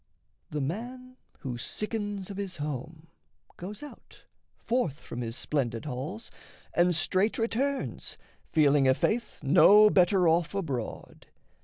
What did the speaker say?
The man who sickens of his home goes out, Forth from his splendid halls, and straight returns, Feeling i'faith no better off abroad.